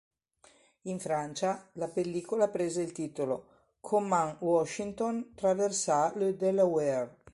In Francia, la pellicola prese il titolo "Comment Washington traversa le Delaware".